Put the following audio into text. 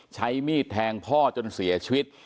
ใช้มีดแทงพ่อจนเสียชีวิต